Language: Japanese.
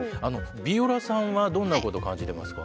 ビオラさんはどんなこと感じてますか？